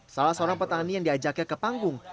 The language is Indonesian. salah seorang petani yang diajaknya ke panggung